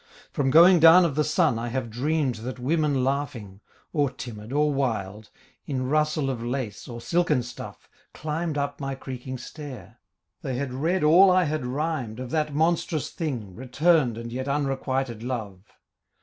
From going down of the sun I have dreamed That women laughing, or timid or wild, In rustle of lace or silken stuff, Climbed up my creaking stair. They had read All I had rhymed of that monstrous thing Returned and yet unrequited love.